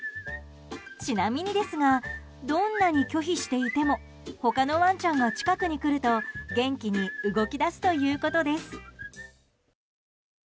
ちなみにですがどんなに拒否していても他のワンちゃんが近くに来ると元気に動き出すということです。